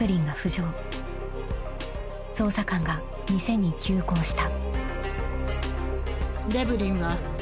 ［捜査官が店に急行した］